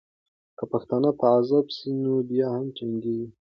که پښتانه په عذاب سي، نو بیا هم جنګېږي.